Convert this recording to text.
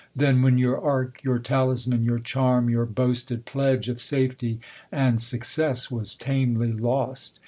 Then, when your ark, Your talisman, your charm, your boasted pledge Of safety and success, was tamely lost